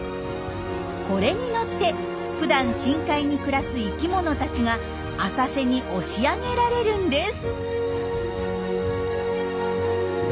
これに乗ってふだん深海に暮らす生きものたちが浅瀬に押し上げられるんです。